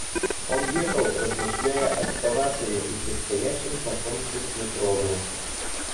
Он ехал, размышляя о Катавасове и предстоящем знакомстве с Метровым.